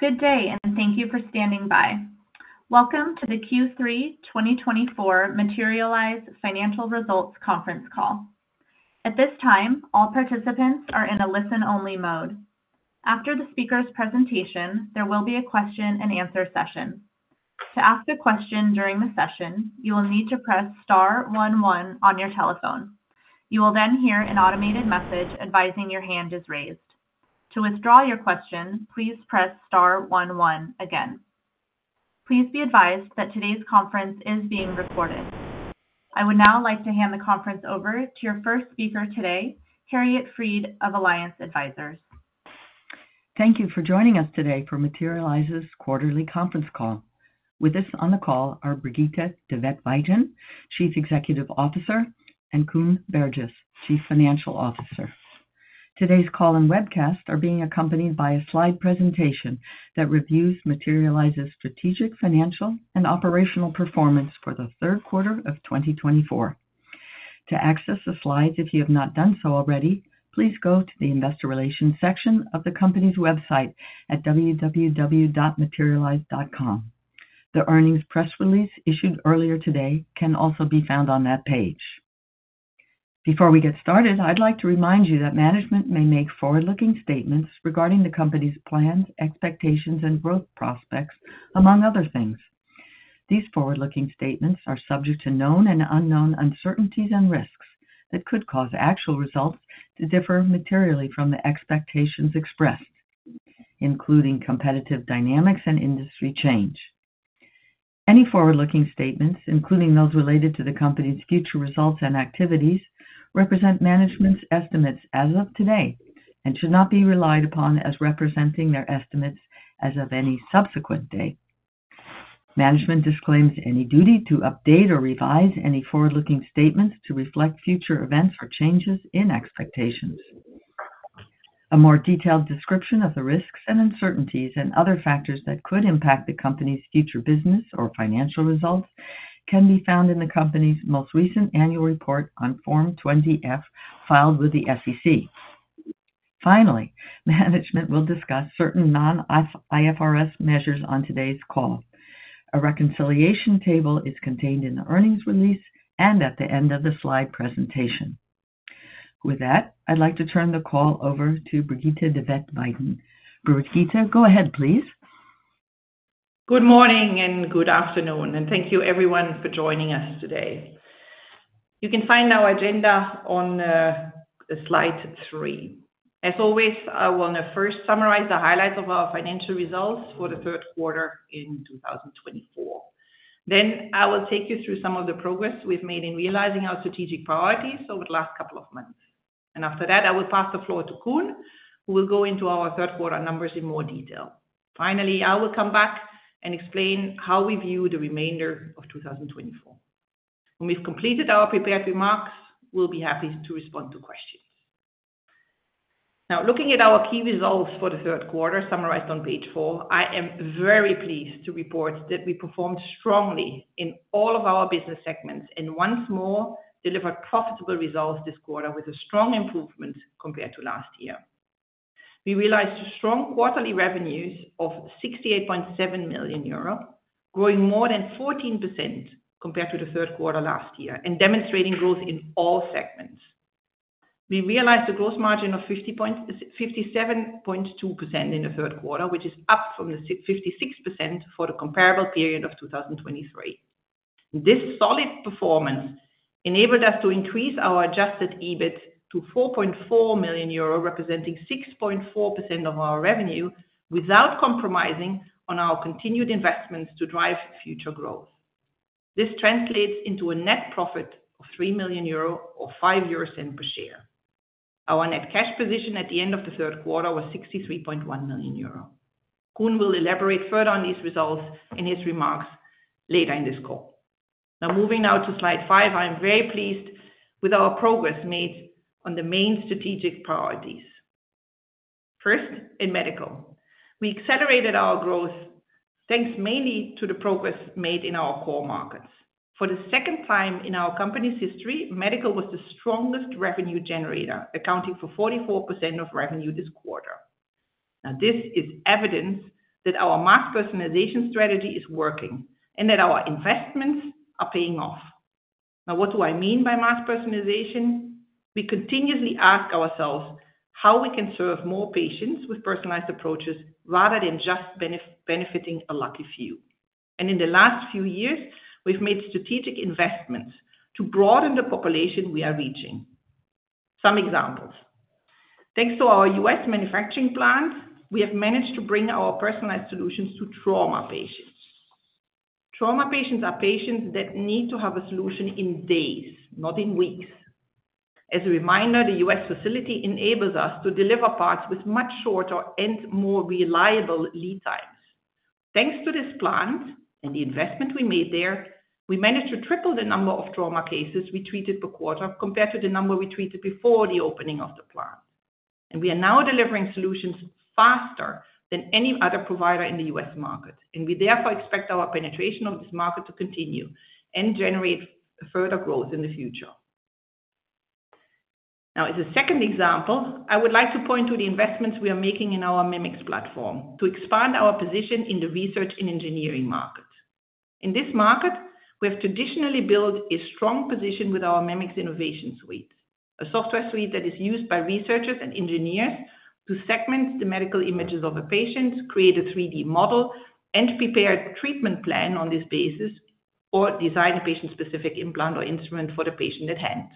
Good day, and thank you for standing by. Welcome to the Q3 2024 Materialise Financial Results conference call. At this time, all participants are in a listen-only mode. After the speaker's presentation, there will be a question-and-answer session. To ask a question during the session, you will need to press star one one on your telephone. You will then hear an automated message advising your hand is raised. To withdraw your question, please press star one one again. Please be advised that today's conference is being recorded. I would now like to hand the conference over to your first speaker today, Harriet Fried of Alliance Advisors. Thank you for joining us today for Materialise's quarterly conference call. With us on the call are Brigitte de Vet-Veithen, Chief Executive Officer, and Koen Berges, Chief Financial Officer. Today's call and webcast are being accompanied by a slide presentation that reviews Materialise's strategic, financial, and operational performance for the third quarter of twenty twenty-four. To access the slides, if you have not done so already, please go to the Investor Relations section of the company's website at www.materialise.com. The earnings press release issued earlier today can also be found on that page. Before we get started, I'd like to remind you that management may make forward-looking statements regarding the company's plans, expectations, and growth prospects, among other things. These forward-looking statements are subject to known and unknown uncertainties and risks that could cause actual results to differ materially from the expectations expressed, including competitive dynamics and industry change. Any forward-looking statements, including those related to the company's future results and activities, represent management's estimates as of today and should not be relied upon as representing their estimates as of any subsequent date. Management disclaims any duty to update or revise any forward-looking statements to reflect future events or changes in expectations. A more detailed description of the risks and uncertainties and other factors that could impact the company's future business or financial results can be found in the company's most recent annual report on Form 20-F, filed with the SEC. Finally, management will discuss certain non-IFRS measures on today's call. A reconciliation table is contained in the earnings release and at the end of the slide presentation. With that, I'd like to turn the call over to Brigitte de Vet-Veithen. Brigitte, go ahead, please. Good morning and good afternoon, and thank you everyone for joining us today. You can find our agenda on slide three. As always, I want to first summarize the highlights of our financial results for the third quarter in two thousand and twenty-four, then I will take you through some of the progress we've made in realizing our strategic priorities over the last couple of months, and after that, I will pass the floor to Koen, who will go into our third quarter numbers in more detail, finally, I will come back and explain how we view the remainder of twenty twenty-four. When we've completed our prepared remarks, we'll be happy to respond to questions. Now, looking at our key results for the third quarter, summarized on page four, I am very pleased to report that we performed strongly in all of our business segments, and once more, delivered profitable results this quarter with a strong improvement compared to last year. We realized strong quarterly revenues of 68.7 million euro, growing more than 14% compared to the third quarter last year, and demonstrating growth in all segments. We realized a gross margin of 57.2% in the third quarter, which is up from the 56% for the comparable period of 2023. This solid performance enabled us to increase our adjusted EBIT to 4.4 million euro, representing 6.4% of our revenue, without compromising on our continued investments to drive future growth. This translates into a net profit of 3 million euro or 0.05 per share. Our net cash position at the end of the third quarter was 63.1 million euro. Koen will elaborate further on these results in his remarks later in this call. Now, moving now to slide 5, I am very pleased with our progress made on the main strategic priorities. First, in medical, we accelerated our growth, thanks mainly to the progress made in our core markets. For the second time in our company's history, medical was the strongest revenue generator, accounting for 44% of revenue this quarter. Now, this is evidence that our mass personalization strategy is working and that our investments are paying off. Now, what do I mean by mass personalization? We continuously ask ourselves how we can serve more patients with personalized approaches rather than just benefiting a lucky few. And in the last few years, we've made strategic investments to broaden the population we are reaching. Some examples: Thanks to our U.S. manufacturing plant, we have managed to bring our personalized solutions to trauma patients. Trauma patients are patients that need to have a solution in days, not in weeks. As a reminder, the U.S. facility enables us to deliver parts with much shorter and more reliable lead times. Thanks to this plant and the investment we made there, we managed to triple the number of trauma cases we treated per quarter, compared to the number we treated before the opening of the plant. We are now delivering solutions faster than any other provider in the U.S. market, and we therefore expect our penetration of this market to continue and generate further growth in the future. Now, as a second example, I would like to point to the investments we are making in our Mimics platform to expand our position in the research and engineering market. In this market, we have traditionally built a strong position with our Mimics Innovation Suite, a software suite that is used by researchers and engineers to segment the medical images of a patient, create a 3D model, and prepare treatment plan on this basis, or design a patient-specific implant or instrument for the patient at hand.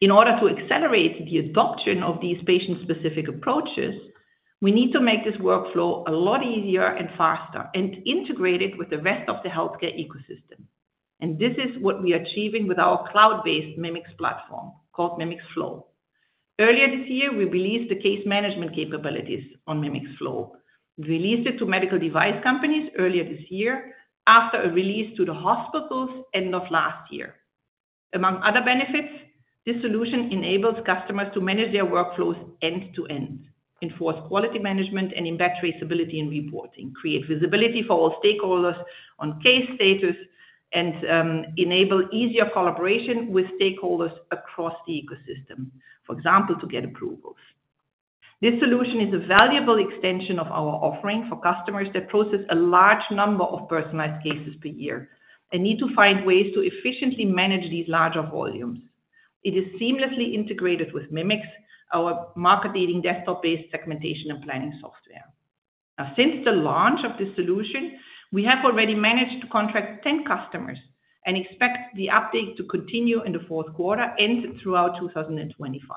In order to accelerate the adoption of these patient-specific approaches, we need to make this workflow a lot easier and faster, and integrate it with the rest of the healthcare ecosystem. And this is what we are achieving with our cloud-based Mimics platform, called Mimics Flow. Earlier this year, we released the case management capabilities on Mimics Flow. We released it to medical device companies earlier this year after a release to the hospitals end of last year. Among other benefits, this solution enables customers to manage their workflows end-to-end, enforce quality management and impact traceability and reporting, create visibility for all stakeholders on case status, and enable easier collaboration with stakeholders across the ecosystem, for example, to get approvals. This solution is a valuable extension of our offering for customers that process a large number of personalized cases per year, and need to find ways to efficiently manage these larger volumes. It is seamlessly integrated with Mimics, our market-leading desktop-based segmentation and planning software. Now, since the launch of this solution, we have already managed to contract 10 customers and expect the uptake to continue in the fourth quarter and throughout 2025.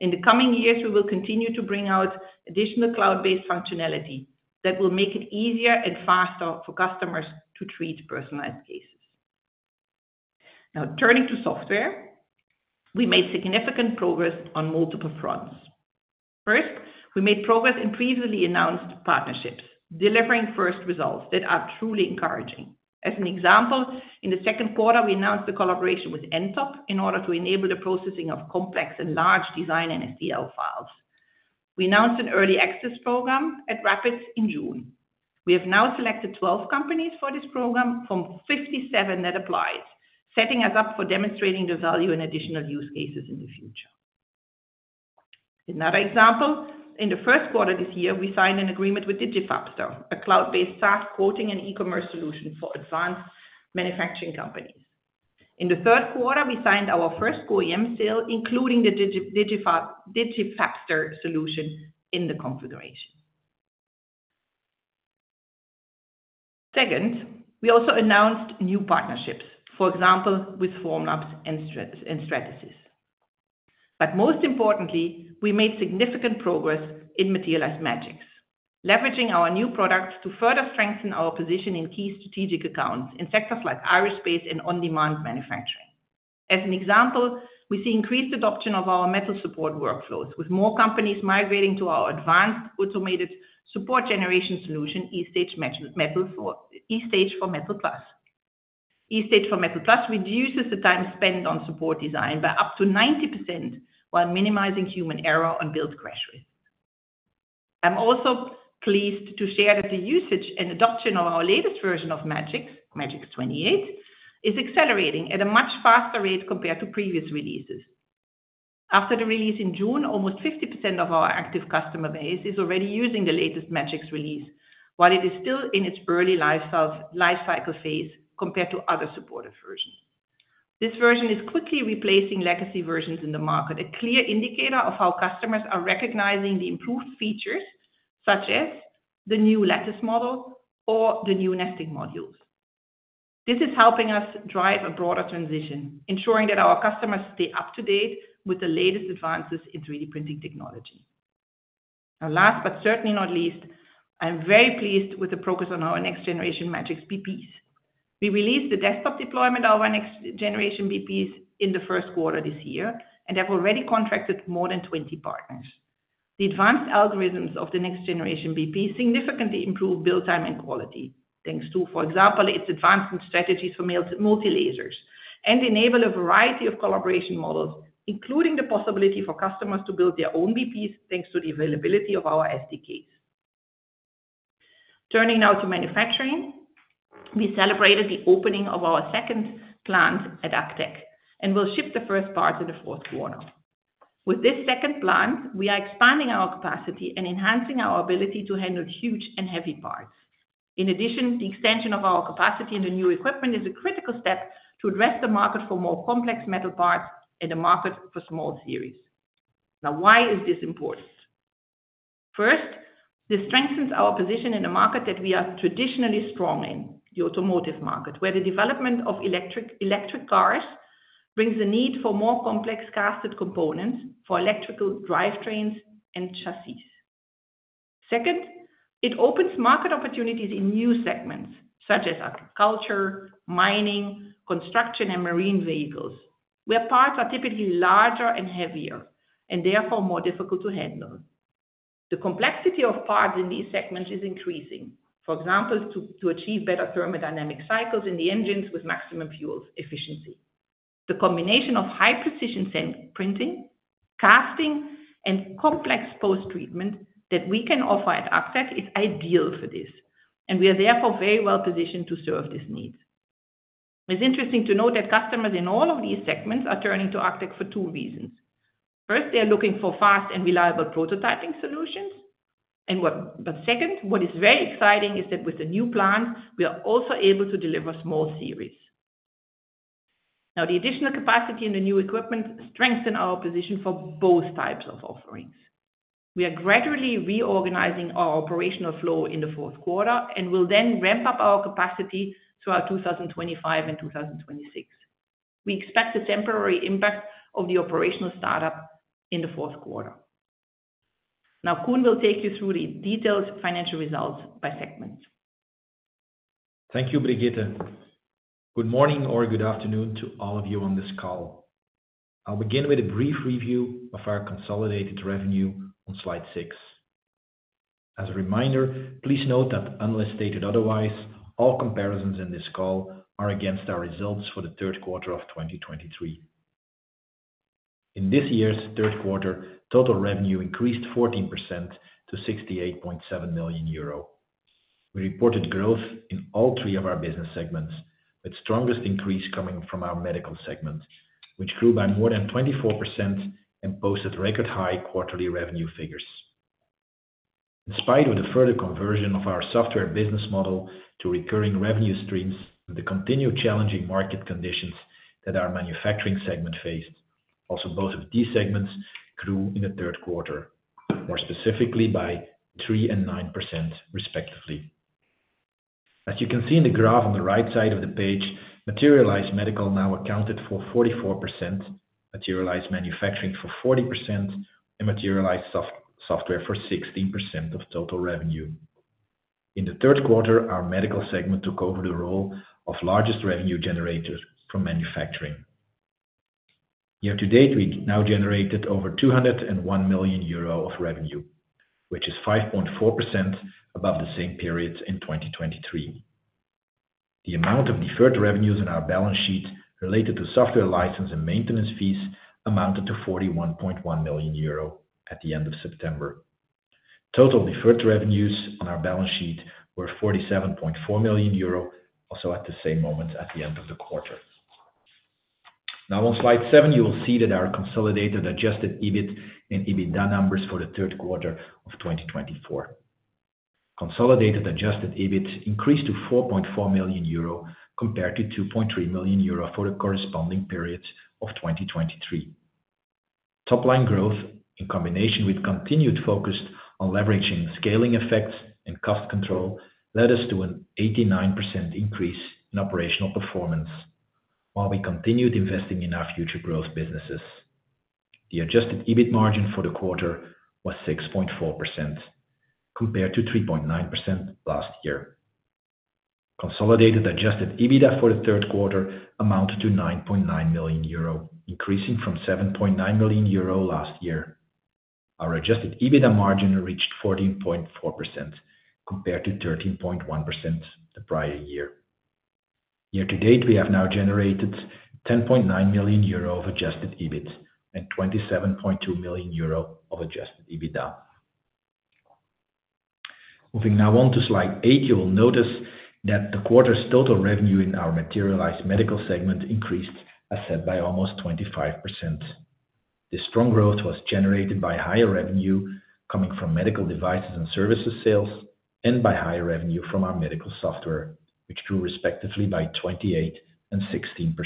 In the coming years, we will continue to bring out additional cloud-based functionality that will make it easier and faster for customers to treat personalized cases. Now, turning to software, we made significant progress on multiple fronts. First, we made progress in previously announced partnerships, delivering first results that are truly encouraging. As an example, in the second quarter, we announced the collaboration with nTop in order to enable the processing of complex and large design and STL files. We announced an early access program at RAPID in June. We have now selected 12 companies for this program from 57 that applied, setting us up for demonstrating the value in additional use cases in the future. Another example, in the first quarter this year, we signed an agreement with DigiFabster, a cloud-based SaaS quoting and e-commerce solution for advanced manufacturing companies. In the third quarter, we signed our first OEM sale, including the DigiFabster solution in the configuration. Second, we also announced new partnerships, for example, with Formlabs and Stratasys. But most importantly, we made significant progress in Materialise Magics, leveraging our new products to further strengthen our position in key strategic accounts in sectors like aerospace and on-demand manufacturing. As an example, we see increased adoption of our metal support workflows, with more companies migrating to our advanced automated support generation solution, e-Stage for Metal+. e-Stage for Metal+ reduces the time spent on support design by up to 90%, while minimizing human error and build crash risk. I'm also pleased to share that the usage and adoption of our latest version of Magics, Magics 28, is accelerating at a much faster rate compared to previous releases. After the release in June, almost 50% of our active customer base is already using the latest Magics release, while it is still in its early life cycle phase compared to other supported versions. This version is quickly replacing legacy versions in the market, a clear indicator of how customers are recognizing the improved features, such as the new lattice module or the new nesting modules. This is helping us drive a broader transition, ensuring that our customers stay up-to-date with the latest advances in 3D printing technology. Now, last but certainly not least, I am very pleased with the progress on our next-generation Magics BPs. We released the desktop deployment of our next-generation BPs in the first quarter this year, and have already contracted more than 20 partners. The advanced algorithms of the next-generation BP significantly improve build time and quality, thanks to, for example, its advancement strategies for multi-lasers, and enable a variety of collaboration models, including the possibility for customers to build their own BPs, thanks to the availability of our SDKs. Turning now to manufacturing, we celebrated the opening of our second plant at ACTech, and we'll ship the first part in the fourth quarter. With this second plant, we are expanding our capacity and enhancing our ability to handle huge and heavy parts. In addition, the extension of our capacity in the new equipment is a critical step to address the market for more complex metal parts and the market for small series. Now, why is this important? First, this strengthens our position in the market that we are traditionally strong in, the automotive market, where the development of electric cars brings the need for more complex cast components for electrical drivetrains and chassis. Second, it opens market opportunities in new segments such as agriculture, mining, construction, and marine vehicles, where parts are typically larger and heavier, and therefore more difficult to handle. The complexity of parts in these segments is increasing, for example, to achieve better thermodynamic cycles in the engines with maximum fuel efficiency. The combination of high-precision printing and casting and complex post-treatment that we can offer at ACTech is ideal for this, and we are therefore very well positioned to serve this need. It's interesting to note that customers in all of these segments are turning to ACTech for two reasons. First, they are looking for fast and reliable prototyping solutions, but second, what is very exciting is that with the new plant, we are also able to deliver small series. Now, the additional capacity and the new equipment strengthen our position for both types of offerings. We are gradually reorganizing our operational flow in the fourth quarter, and will then ramp up our capacity throughout two thousand and twenty-five and two thousand and twenty-six. We expect a temporary impact of the operational startup in the fourth quarter. Now, Koen will take you through the detailed financial results by segment. Thank you, Brigitte. Good morning or good afternoon to all of you on this call. I'll begin with a brief review of our consolidated revenue on slide 6. As a reminder, please note that unless stated otherwise, all comparisons in this call are against our results for the third quarter of 2023. In this year's third quarter, total revenue increased 14% to 68.7 million euro. We reported growth in all three of our business segments, with strongest increase coming from our medical segment, which grew by more than 24% and posted record high quarterly revenue figures. In spite of the further conversion of our software business model to recurring revenue streams and the continued challenging market conditions that our manufacturing segment faced, also both of these segments grew in the third quarter, more specifically by 3% and 9%, respectively. As you can see in the graph on the right side of the page, Materialise Medical now accounted for 44%, Materialise Manufacturing for 40%, and Materialise Software for 16% of total revenue. In the third quarter, our medical segment took over the role of largest revenue generator from manufacturing. Year to date, we now generated over 201 million euro of revenue, which is 5.4% above the same period in 2023. The amount of deferred revenues in our balance sheet related to software license and maintenance fees amounted to 41.1 million euro at the end of September. Total deferred revenues on our balance sheet were 47.4 million euro, also at the same moment, at the end of the quarter. Now, on slide 7, you will see that our consolidated adjusted EBIT and EBITDA numbers for the third quarter of 2024. Consolidated adjusted EBIT increased to 4.4 million euro, compared to 2.3 million euro for the corresponding period of 2023. Top-line growth, in combination with continued focus on leveraging scaling effects and cost control, led us to an 89% increase in operational performance, while we continued investing in our future growth businesses. The adjusted EBIT margin for the quarter was 6.4%, compared to 3.9% last year. Consolidated adjusted EBITDA for the third quarter amounted to 9.9 million euro, increasing from 7.9 million euro last year. Our adjusted EBITDA margin reached 14.4%, compared to 13.1% the prior year. Year to date, we have now generated 10.9 million euro of adjusted EBIT and 27.2 million euro of adjusted EBITDA. Moving now on to slide eight, you will notice that the quarter's total revenue in our Materialise Medical segment increased, as said, by almost 25%. This strong growth was generated by higher revenue coming from medical devices and services FEops, and by higher revenue from our medical software, which grew respectively by 28% and 16%.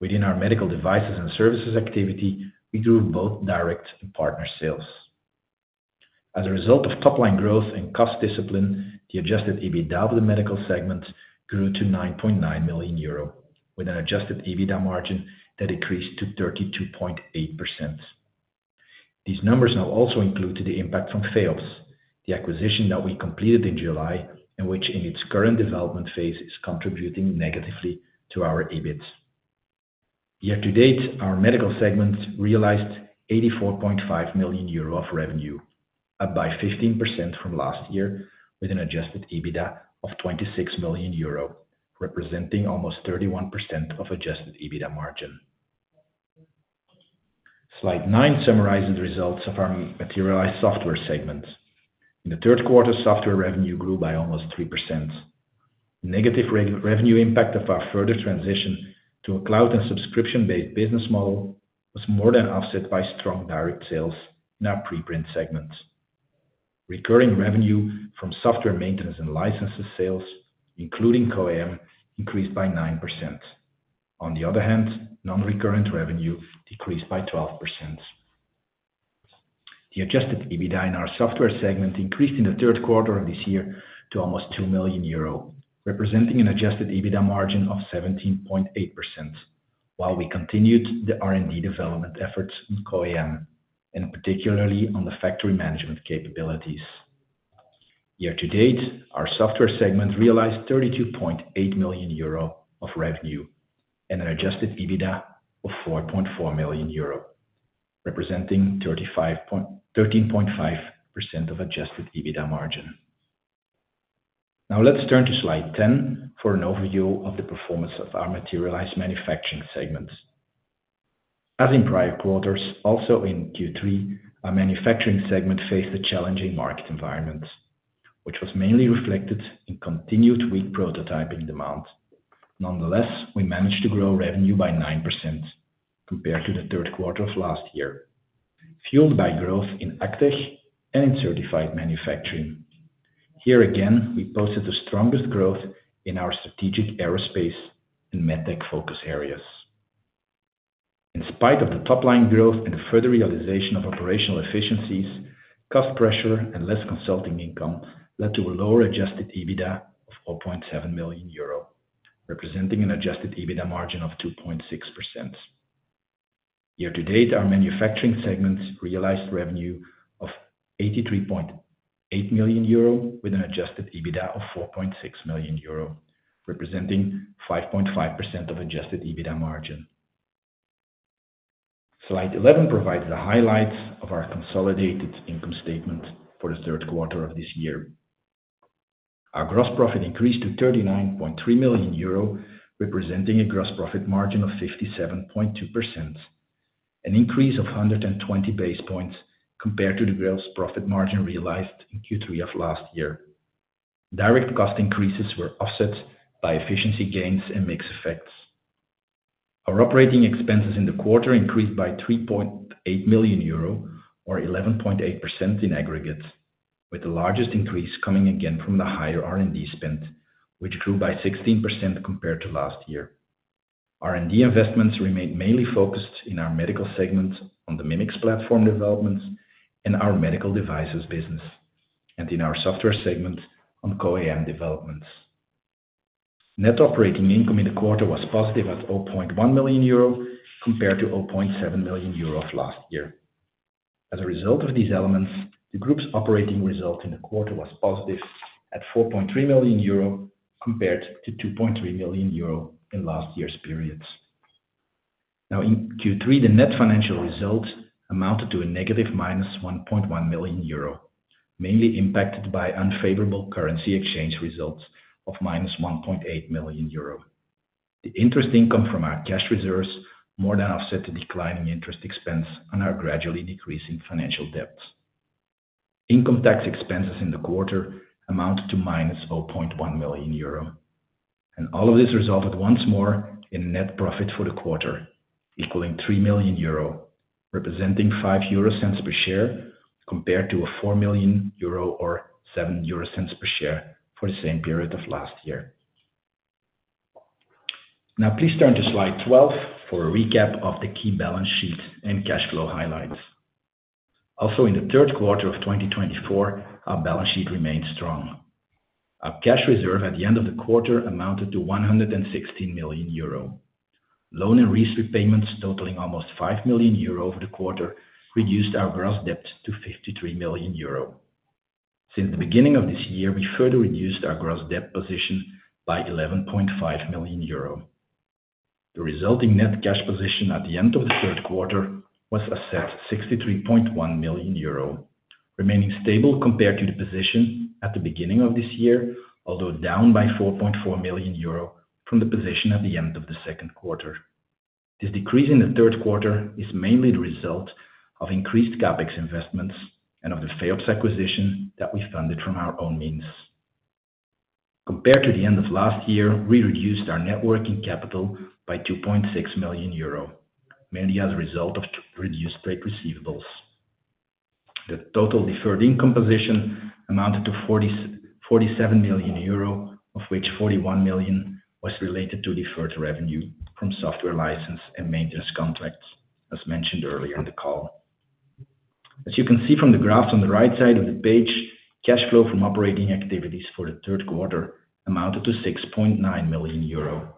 Within our medical devices and services activity, we grew both direct and partner FEops. As a result of top-line growth and cost discipline, the adjusted EBITDA with the medical segment grew to 9.9 million euro, with an adjusted EBITDA margin that increased to 32.8%. These numbers now also include the impact from FEops, the acquisition that we completed in July, and which in its current development phase, is contributing negatively to our EBIT. Year to date, our medical segment realized 84.5 million euro of revenue, up by 15% from last year, with an adjusted EBITDA of 26 million euro, representing almost 31% of adjusted EBITDA margin. Slide 9 summarizes the results of our Materialise Software segment. In the third quarter, software revenue grew by almost 3%. Negative revenue impact of our further transition to a cloud and subscription-based business model was more than offset by strong direct sales in our pre-print segment. Recurring revenue from software maintenance and licenses sales, including CO-AM, increased by 9%. On the other hand, non-recurring revenue decreased by 12%. The adjusted EBITDA in our software segment increased in the third quarter of this year to almost 2 million euro, representing an adjusted EBITDA margin of 17.8%, while we continued the R&D development efforts in CO-AM, and particularly on the factory management capabilities. Year to date, our software segment realized 32.8 million euro of revenue and an adjusted EBITDA of 4.4 million euro, representing 13.5% of adjusted EBITDA margin. Now let's turn to slide 10 for an overview of the performance of our Materialise Manufacturing segment. As in prior quarters, also in Q3, our manufacturing segment faced a challenging market environment, which was mainly reflected in continued weak prototyping demand. Nonetheless, we managed to grow revenue by 9% compared to the third quarter of last year, fueled by growth in ACTech and in certified manufacturing. Here again, we posted the strongest growth in our strategic aerospace and MedTech focus areas. In spite of the top-line growth and further realization of operational efficiencies, cost pressure and less consulting income led to a lower Adjusted EBITDA of 4.7 million euro, representing an Adjusted EBITDA margin of 2.6%. Year-to-date, our manufacturing segments realized revenue of 83.8 million euro, with an Adjusted EBITDA of 4.6 million euro, representing 5.5% Adjusted EBITDA margin. Slide 11 provides the highlights of our consolidated income statement for the third quarter of this year. Our gross profit increased to 39.3 million euro, representing a gross profit margin of 57.2%, an increase of 120 basis points compared to the gross profit margin realized in Q3 of last year. Direct cost increases were offset by efficiency gains and mix effects. Our operating expenses in the quarter increased by 3.8 million euro, or 11.8% in aggregate, with the largest increase coming again from the higher R&D spend, which grew by 16% compared to last year. R&D investments remained mainly focused in our medical segment on the Mimics platform developments and our medical devices business, and in our software segment on CO-AM developments. Net operating income in the quarter was positive at 4.1 million euro, compared to 4.7 million euro of last year. As a result of these elements, the group's operating result in the quarter was positive at 4.3 million euro, compared to 2.3 million euro in last year's periods. Now, in Q3, the net financial result amounted to a negative minus 1.1 million euro, mainly impacted by unfavorable currency exchange results of minus 1.8 million euro. The interest income from our cash reserves more than offset the decline in interest expense on our gradually decreasing financial debts. Income tax expenses in the quarter amounted to minus 4.1 million euro, and all of this resulted once more in net profit for the quarter, equaling 3 million euro, representing 0.05 per share, compared to a 4 million euro or 0.07 per share for the same period of last year. Now, please turn to slide 12 for a recap of the key balance sheet and cash flow highlights. Also, in the third quarter of 2024, our balance sheet remained strong. Our cash reserve at the end of the quarter amounted to 116 million euro. Loan and lease repayments, totaling almost 5 million euro over the quarter, reduced our gross debt to 53 million euro. Since the beginning of this year, we further reduced our gross debt position by 11.5 million euro. The resulting net cash position at the end of the third quarter was 63.1 million euro, remaining stable compared to the position at the beginning of this year, although down by 4.4 million euro from the position at the end of the second quarter. This decrease in the third quarter is mainly the result of increased CapEx investments and of the FEops acquisition that we funded from our own means. Compared to the end of last year, we reduced our net working capital by 2.6 million euro, mainly as a result of reduced trade receivables. The total deferred income position amounted to 47 million euro, of which 41 million was related to deferred revenue from software license and maintenance contracts, as mentioned earlier in the call. As you can see from the graph on the right side of the page, cash flow from operating activities for the third quarter amounted to 6.9 million euro,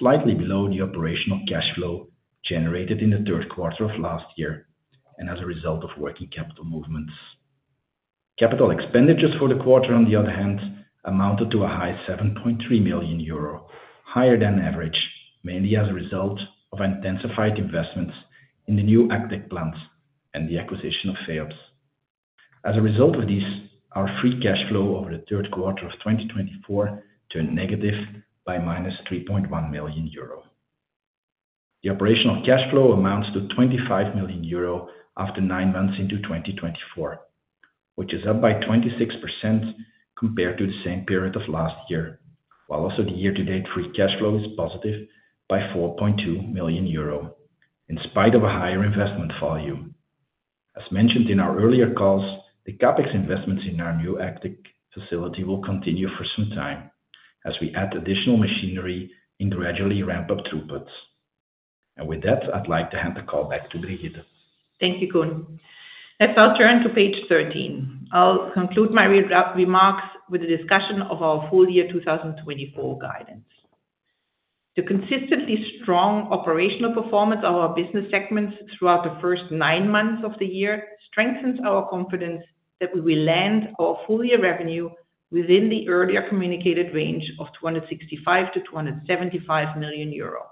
slightly below the operational cash flow generated in the third quarter of last year and as a result of working capital movements. Capital expenditures for the quarter, on the other hand, amounted to a high 7.3 million euro, higher than average, mainly as a result of intensified investments in the new ACTech plants and the acquisition of sales. As a result of this, our free cash flow over the third quarter of 2024 turned negative by minus 3.1 million euro. The operational cash flow amounts to 25 million euro after nine months into 2024, which is up by 26% compared to the same period of last year, while also the year-to-date free cash flow is positive by 4.2 million euro, in spite of a higher investment volume. As mentioned in our earlier calls, the CapEx investments in our new ACTech facility will continue for some time as we add additional machinery and gradually ramp up throughputs. And with that, I'd like to hand the call back to Brigitte. Thank you, Koen. Let's now turn to page 13. I'll conclude my remarks with a discussion of our full year 2024 guidance. The consistently strong operational performance of our business segments throughout the first nine months of the year strengthens our confidence that we will land our full year revenue within the earlier communicated range of 265-275 million euro.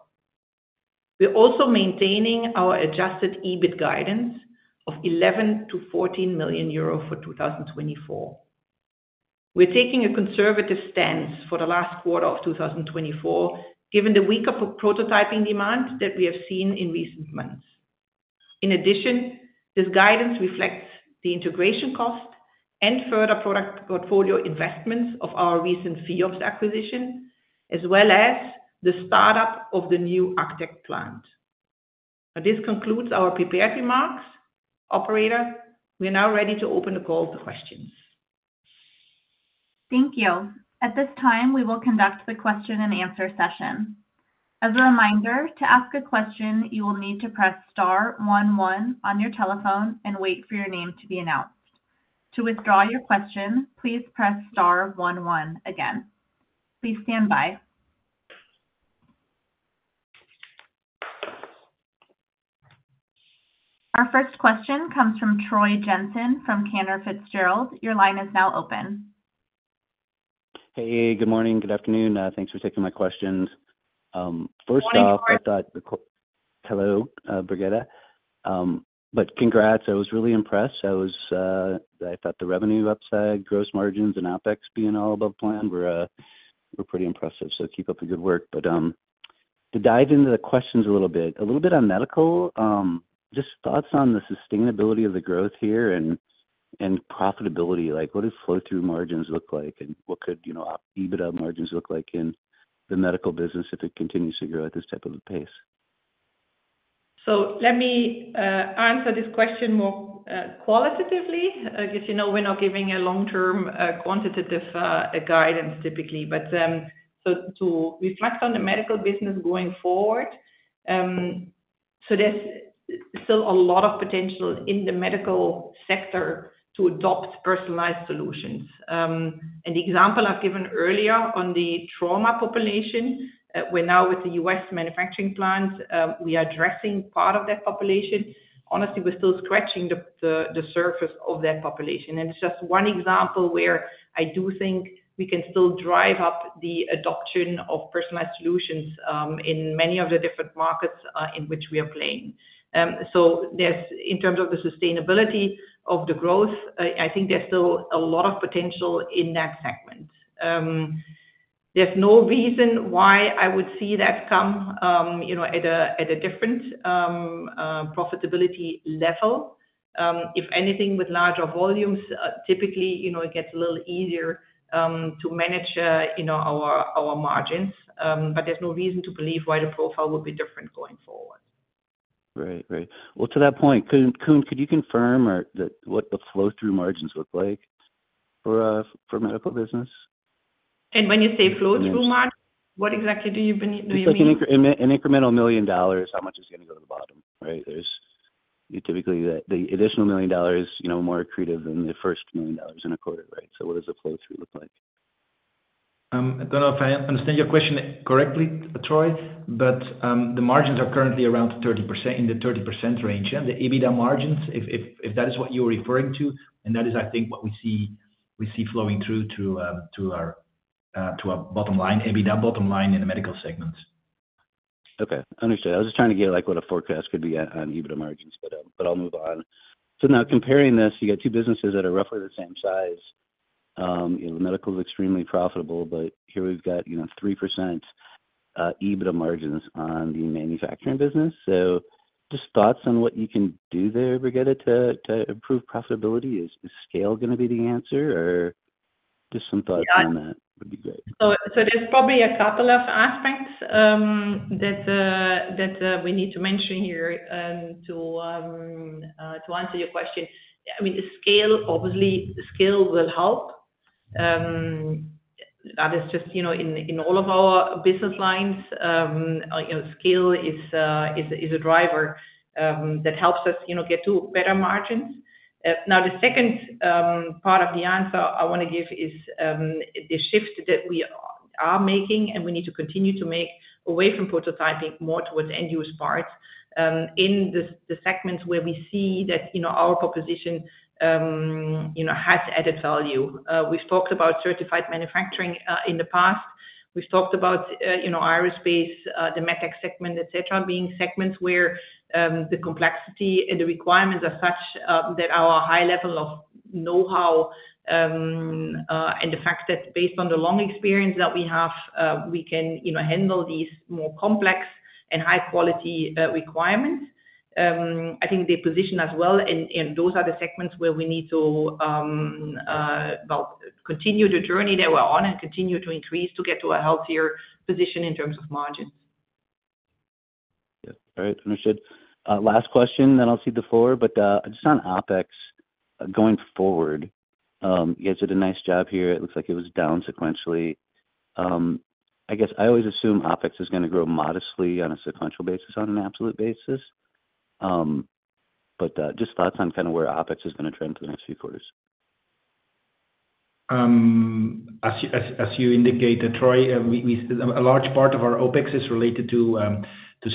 We're also maintaining our adjusted EBIT guidance of 11-14 million euro for 2024. We're taking a conservative stance for the last quarter of 2024, given the weaker prototyping demand that we have seen in recent months. In addition, this guidance reflects the integration cost and further product portfolio investments of our recent FEops acquisition, as well as the startup of the new ACTech plant. Now, this concludes our prepared remarks. Operator, we are now ready to open the call to questions. Thank you. At this time, we will conduct the question and answer session. As a reminder, to ask a question, you will need to press star one one on your telephone and wait for your name to be announced. To withdraw your question, please press star one one again. Please stand by. Our first question comes from Troy Jensen from Cantor Fitzgerald. Your line is now open. Hey, good morning. Good afternoon, thanks for taking my questions. First off- Good morning, Troy. Hello, Brigitte. Congrats. I was really impressed. I thought the revenue upside, gross margins, and OpEx being all above plan were pretty impressive, so keep up the good work. To dive into the questions a little bit. A little bit on medical, just thoughts on the sustainability of the growth here and profitability. Like, what do flow-through margins look like, and what could, you know, EBITDA margins look like in the medical business if it continues to grow at this type of a pace? So let me answer this question more qualitatively, because, you know, we're not giving a long-term quantitative guidance, typically. But so to reflect on the medical business going forward, so there's still a lot of potential in the medical sector to adopt personalized solutions. And the example I've given earlier on the trauma population, where now with the U.S. manufacturing plants, we are addressing part of that population. Honestly, we're still scratching the surface of that population. And it's just one example where I do think we can still drive up the adoption of personalized solutions, in many of the different markets, in which we are playing. So there's, in terms of the sustainability of the growth, I think there's still a lot of potential in that segment. There's no reason why I would see that come, you know, at a different profitability level. If anything, with larger volumes, typically, you know, it gets a little easier to manage, you know, our margins. But there's no reason to believe why the profile would be different going forward. Right. Well, to that point, Koen, could you confirm what the flow-through margins look like for medical business? When you say flow-through margins, what exactly do you mean? It's like an incremental million dollars, how much is going to go to the bottom, right? There's typically the additional million dollars, you know, more accretive than the first million dollars in a quarter, right? So what does the flow-through look like? I don't know if I understand your question correctly, Troy, but the margins are currently around 30%, in the 30% range, and the EBITDA margins, if that is what you're referring to, and that is, I think, what we see flowing through to our bottom line, EBITDA bottom line in the medical segment. Okay, understood. I was just trying to get, like, what a forecast could be on EBITDA margins, but, but I'll move on. So now comparing this, you got two businesses that are roughly the same size. You know, medical is extremely profitable, but here we've got, you know, 3% EBITDA margins on the manufacturing business. So just thoughts on what you can do there, Brigitte, to improve profitability. Is scale gonna be the answer, or just some thoughts on that would be great. So there's probably a couple of aspects that we need to mention here to answer your question. I mean, scale, obviously, scale will help. That is just, you know, in all of our business lines, you know, scale is a driver that helps us, you know, get to better margins. Now, the second part of the answer I want to give is the shift that we are making, and we need to continue to make away from prototyping more towards end user parts, in the segments where we see that, you know, our proposition, you know, has added value. We've talked about certified manufacturing in the past. We've talked about, you know, aerospace, the medical segment, et cetera, being segments where the complexity and the requirements are such that our high level of know-how and the fact that based on the long experience that we have, we can, you know, handle these more complex and high-quality requirements. I think they position us well, and, and those are the segments where we need to, well, continue the journey that we're on and continue to increase to get to a healthier position in terms of margins. Yeah. All right. Understood. Last question, then I'll cede the floor. But, just on OpEx going forward, you guys did a nice job here. It looks like it was down sequentially. I guess I always assume OpEx is gonna grow modestly on a sequential basis, on an absolute basis. But, just thoughts on kind of where OpEx is gonna trend for the next few quarters. As you indicated, Troy, a large part of our OpEx is related to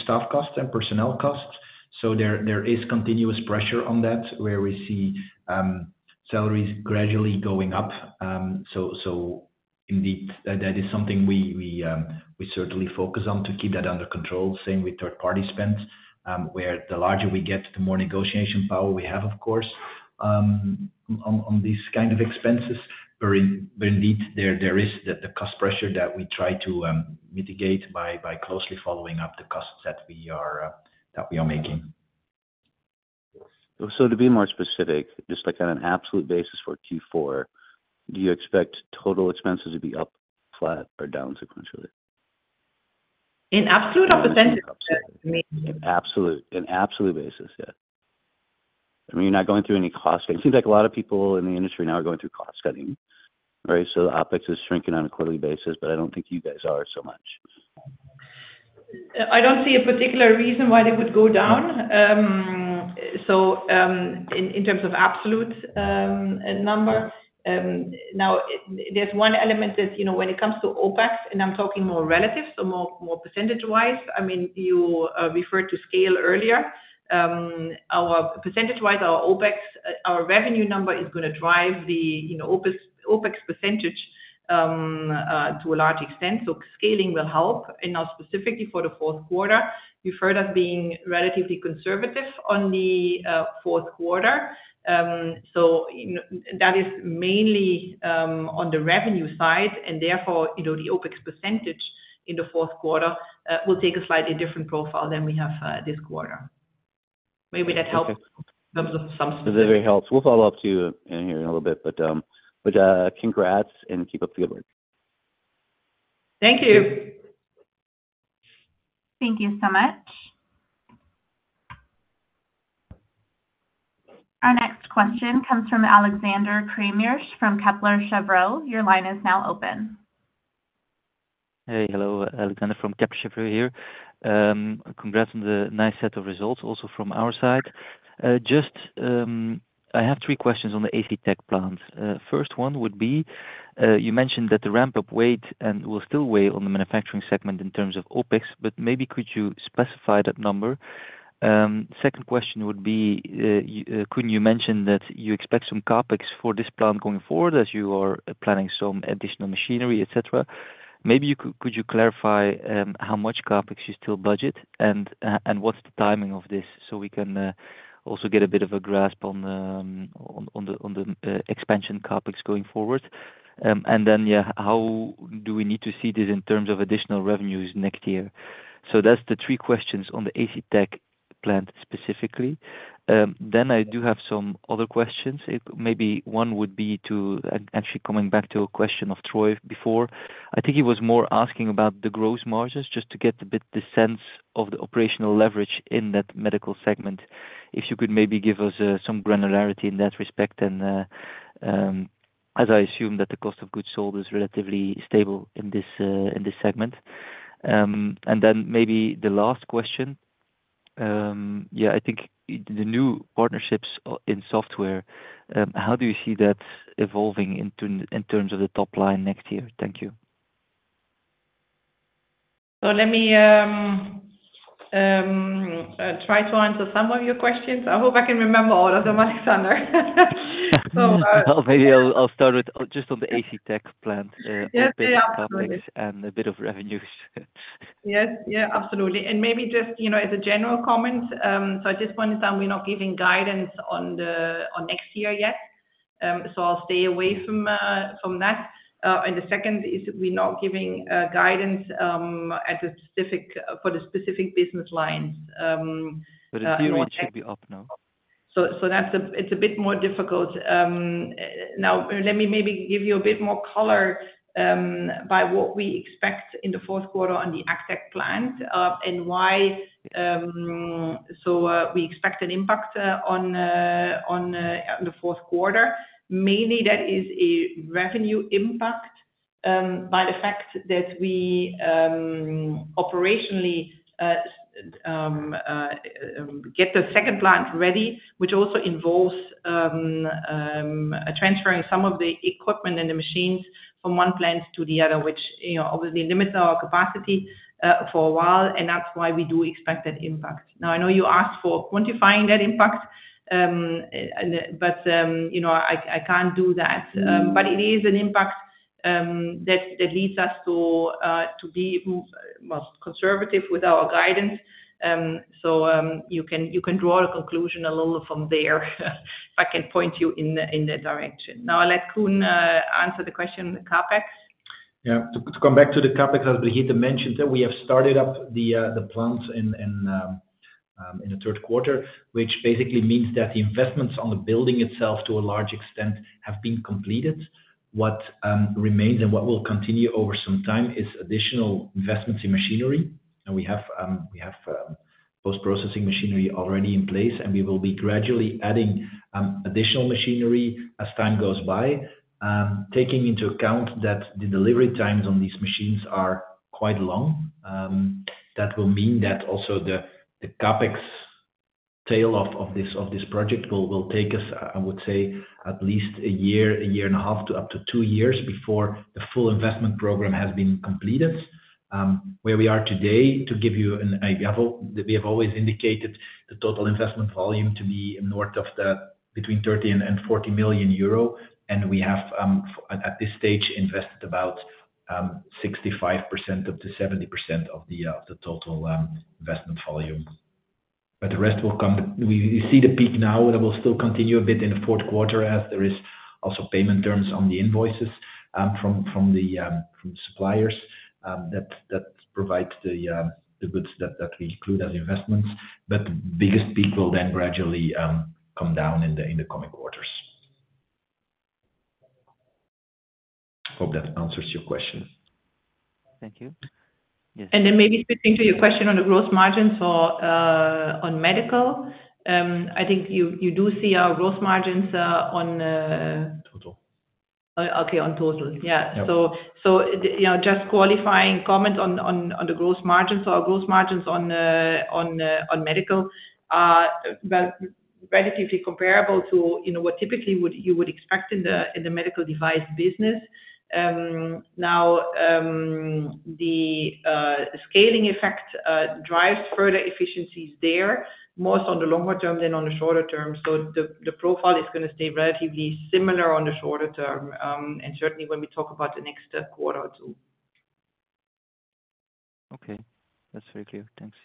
staff costs and personnel costs. So there is continuous pressure on that, where we see salaries gradually going up. So indeed, that is something we certainly focus on to keep that under control. Same with third party spend, where the larger we get, the more negotiation power we have, of course, on these kind of expenses. But indeed, there is the cost pressure that we try to mitigate by closely following up the costs that we are making. So to be more specific, just like on an absolute basis for Q4, do you expect total expenses to be up, flat or down sequentially? In absolute or percentage? Absolutely. In absolute basis, yeah. I mean, you're not going through any cost, it seems like a lot of people in the industry now are going through cost cutting, right? So OpEx is shrinking on a quarterly basis, but I don't think you guys are so much. I don't see a particular reason why they would go down. So, in terms of absolute number, now there's one element that, you know, when it comes to OpEx, and I'm talking more relative, so more percentage wise, I mean, you referred to scale earlier. Our percentage wise, our OpEx, our revenue number is gonna drive the, you know, OpEx percentage, to a large extent. So scaling will help. And now specifically for the fourth quarter, you've heard us being relatively conservative on the fourth quarter. So, you know, that is mainly on the revenue side, and therefore, you know, the OpEx percentage in the fourth quarter will take a slightly different profile than we have this quarter. Maybe that helps- Okay. In terms of some- That helps. We'll follow up to you in here in a little bit, but, congrats and keep up the good work. Thank you. Thank you so much. Our next question comes from Alexander Cremers, from Kepler Cheuvreux. Your line is now open. Hey. Hello, Alexander from Kepler Cheuvreux here. Congrats on the nice set of results, also from our side. Just, I have three questions on the ACTech plant. First one would be, you mentioned that the ramp-up will still weigh on the manufacturing segment in terms of OpEx, but maybe could you specify that number? Second question would be, couldn't you mention that you expect some CapEx for this plant going forward, as you are planning some additional machinery, et cetera? Maybe you could clarify how much CapEx you still budget and what's the timing of this? So we can also get a bit of a grasp on the expansion CapEx going forward. And then, yeah, how do we need to see this in terms of additional revenues next year? So that's the three questions on the ACTech plant, specifically. Then I do have some other questions. It maybe one would be to, actually coming back to a question of Troy, before, I think he was more asking about the gross margins, just to get a bit the sense of the operational leverage in that medical segment. If you could maybe give us some granularity in that respect, and, as I assume that the cost of goods sold is relatively stable in this segment. And then maybe the last question, yeah, I think the new partnerships in software, how do you see that evolving in terms of the top line next year? Thank you. Let me try to answer some of your questions. I hope I can remember all of them, Alexander. Maybe I'll start with just on the ACTech plant. Yeah, yeah. A bit of revenues. Yes, yeah, absolutely. And maybe just, you know, as a general comment, so I just want to say we're not giving guidance on next year yet. So I'll stay away from that. And the second is we're not giving guidance for the specific business lines. But it should be up now. So that's a bit more difficult. Now let me maybe give you a bit more color by what we expect in the fourth quarter on the ACTech plant, and why. So we expect an impact on the fourth quarter. Mainly, that is a revenue impact by the fact that we operationally get the second plant ready, which also involves transferring some of the equipment and the machines from one plant to the other, which, you know, obviously limits our capacity for a while, and that's why we do expect that impact. Now, I know you asked for quantifying that impact, but you know, I can't do that. But it is an impact that leads us to be more conservative with our guidance. So, you can draw a conclusion a little from there, if I can point you in that direction. Now, I'll let Koen answer the question, the CapEx. Yeah. To come back to the CapEx, as Brigitte mentioned, that we have started up the plants in the third quarter, which basically means that the investments on the building itself, to a large extent, have been completed. What remains and what will continue over some time is additional investments in machinery. And we have post-processing machinery already in place, and we will be gradually adding additional machinery as time goes by. Taking into account that the delivery times on these machines are quite long, that will mean that also the CapEx tail off of this project will take us, I would say, at least a year, a year and a half to up to two years before the full investment program has been completed. Where we are today, to give you an idea, we have always indicated the total investment volume to be north of between 30 and 40 million euro, and we have, at this stage, invested about 65%-70% of the total investment volume. But the rest will come. We see the peak now, that will still continue a bit in the fourth quarter, as there is also payment terms on the invoices from suppliers that provides the goods that we include as investments. But the biggest peak will then gradually come down in the coming quarters. Hope that answers your question. Thank you. Yes. And then maybe switching to your question on the growth margins for on medical. I think you do see our growth margins on Total. Okay, on total. Yeah. Yeah. So you know, just qualifying comment on the growth margins. So our growth margins on medical, well, relatively comparable to you know, what typically you would expect in the medical device business. Now, the scaling effect drives further efficiencies there, more so on the longer term than on the shorter term. So the profile is gonna stay relatively similar on the shorter term, and certainly when we talk about the next quarter or two. Okay, that's very clear. Thanks.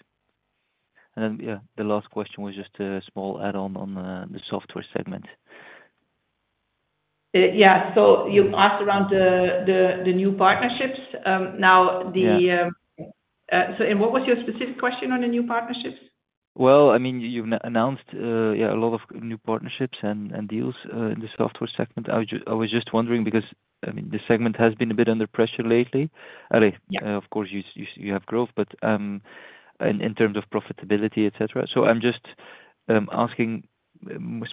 And then, yeah, the last question was just a small add-on on the software segment. Yeah, so you asked around the new partnerships. Now the- Yeah. What was your specific question on the new partnerships? I mean, you've announced a lot of new partnerships and deals in the software segment. I was just wondering because, I mean, the segment has been a bit under pressure lately. And Yeah Of course, you have growth, but in terms of profitability, et cetera. So I'm just asking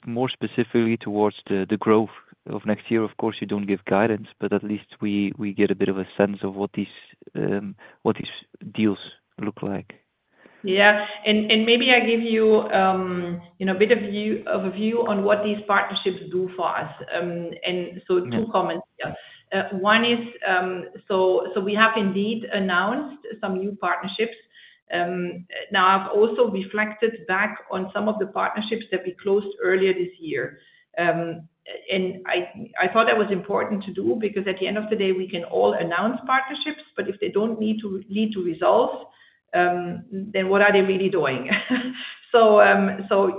more specifically towards the growth of next year. Of course, you don't give guidance, but at least we get a bit of a sense of what these deals look like. Yeah. And maybe I give you, you know, a bit of view on what these partnerships do for us. And so two comments. Yeah. Yeah. One is, so we have indeed announced some new partnerships. Now, I've also reflected back on some of the partnerships that we closed earlier this year. And I thought that was important to do, because at the end of the day, we can all announce partnerships, but if they don't lead to results, then what are they really doing? So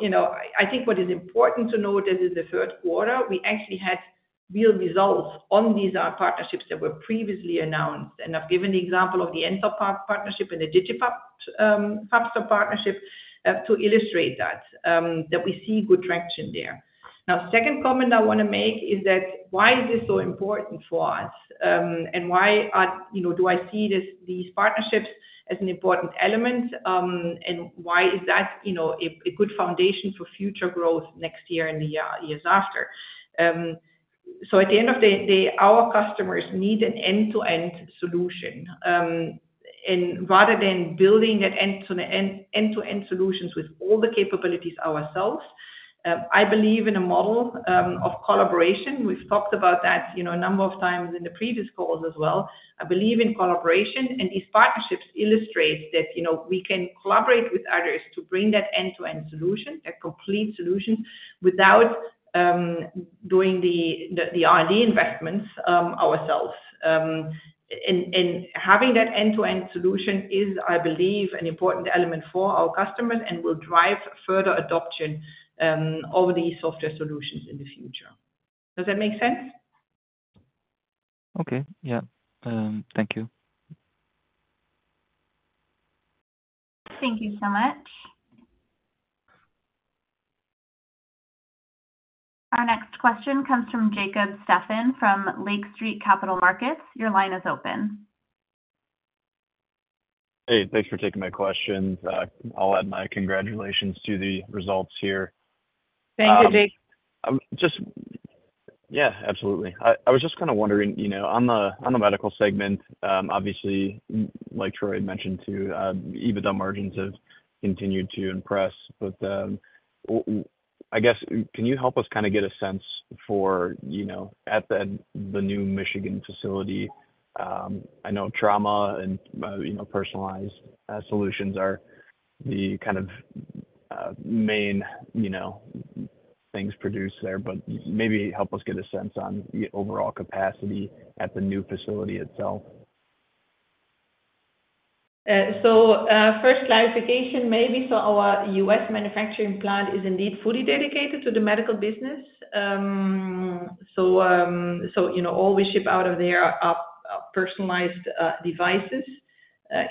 you know, I think what is important to note that in the third quarter, we actually had real results on these partnerships that were previously announced. And I've given the example of the nTop partnership and the DigiFabster partnership to illustrate that we see good traction there. Now, second comment I wanna make is that, why is this so important for us? Why are, you know, do I see these partnerships as an important element? Why is that, you know, a good foundation for future growth next year and the years after? At the end of the day, our customers need an end-to-end solution. Rather than building end-to-end solutions with all the capabilities ourselves, I believe in a model of collaboration. We've talked about that, you know, a number of times in the previous calls as well. I believe in collaboration, and these partnerships illustrate that, you know, we can collaborate with others to bring that end-to-end solution, a complete solution, without doing the R&D investments ourselves. Having that end-to-end solution is, I believe, an important element for our customers and will drive further adoption of these software solutions in the future. Does that make sense? Okay. Yeah. Thank you. Thank you so much. Our next question comes from Jacob Stephan, from Lake Street Capital Markets. Your line is open. Hey, thanks for taking my questions. I'll add my congratulations to the results here. Thank you, Jacob Yeah, absolutely. I was just kind of wondering, you know, on the medical segment, obviously, like Troy mentioned too, EBITDA margins have continued to impress. But, I guess, can you help us kind of get a sense for, you know, at the new Michigan facility? I know trauma and, you know, personalized solutions are the kind of main, you know, things produced there, but maybe help us get a sense on the overall capacity at the new facility itself. First clarification, maybe. Our U.S. manufacturing plant is indeed fully dedicated to the medical business. You know, all we ship out of there are personalized devices,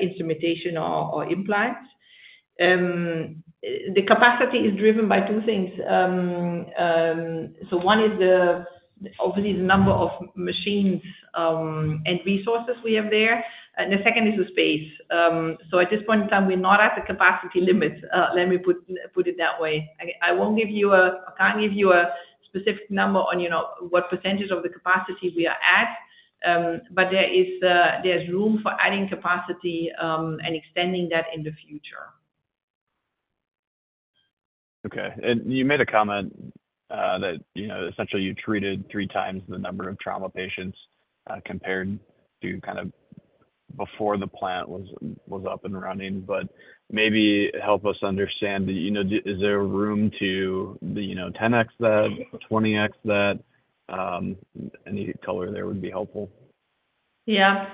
instrumentation or implants. The capacity is driven by two things. One is obviously the number of machines and resources we have there, and the second is the space. At this point in time, we're not at the capacity limits. Let me put it that way. I can't give you a specific number on, you know, what percentage of the capacity we are at, but there's room for adding capacity and extending that in the future. Okay, and you made a comment that, you know, essentially you treated three times the number of trauma patients compared to kind of before the plant was up and running. But maybe help us understand, you know, is there room to, you know, ten X that, twenty X that? Any color there would be helpful. Yeah.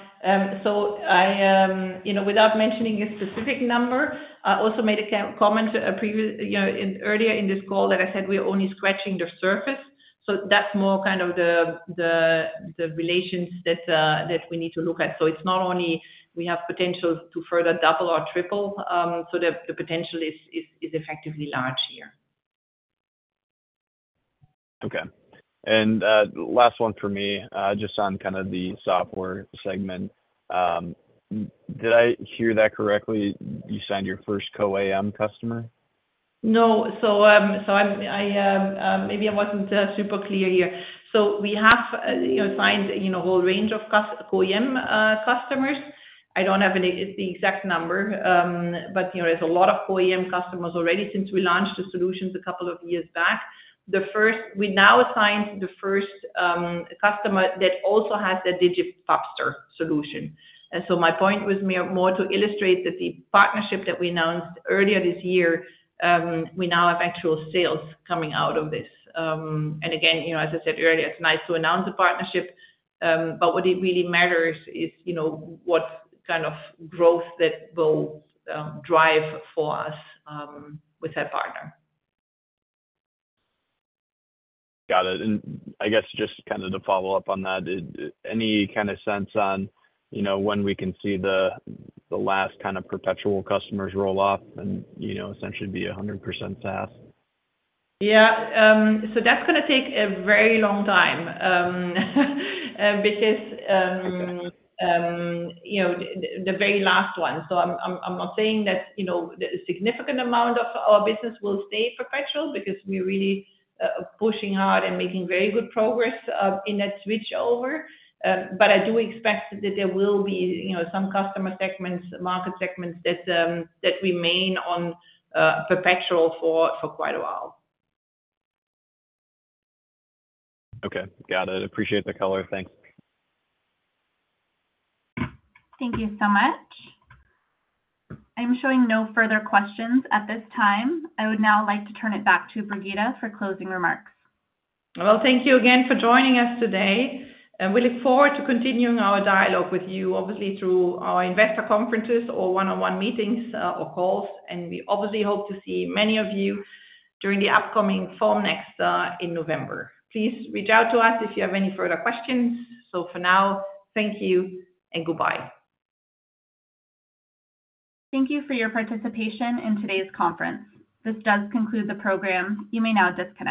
So I, you know, without mentioning a specific number, I also made a comment previously, you know, earlier in this call that I said, we are only scratching the surface. So that's more kind of the relations that we need to look at. So it's not only we have potential to further double or triple, so the potential is effectively large here. Okay. And, last one for me, just on kind of the software segment. Did I hear that correctly, you signed your first CO-AM customer? No. So, I'm maybe I wasn't super clear here. So we have you know signed you know a whole range of CO-AM customers. I don't have the exact number, but you know, there's a lot of CO-AM customers already since we launched the solutions a couple of years back. We now signed the first customer that also has the DigiFabster solution. And so my point was more to illustrate that the partnership that we announced earlier this year, we now have actual sales coming out of this. And again, you know, as I said earlier, it's nice to announce the partnership, but what it really matters is you know, what kind of growth that will drive for us with that partner. Got it. And I guess just kind of to follow up on that, any kind of sense on, you know, when we can see the last kind of perpetual customers roll off and, you know, essentially be 100% SaaS? Yeah. So that's gonna take a very long time, because, you know, the very last one. So I'm not saying that, you know, the significant amount of our business will stay perpetual, because we're really pushing hard and making very good progress in that switchover. But I do expect that there will be, you know, some customer segments, market segments that remain on perpetual for quite a while. Okay. Got it. Appreciate the color. Thanks. Thank you so much. I'm showing no further questions at this time. I would now like to turn it back to Brigitte for closing remarks. Thank you again for joining us today, and we look forward to continuing our dialogue with you, obviously, through our investor conferences or one-on-one meetings, or calls. We obviously hope to see many of you during the upcoming Formnext in November. Please reach out to us if you have any further questions. For now, thank you and goodbye. Thank you for your participation in today's conference. This does conclude the program. You may now disconnect.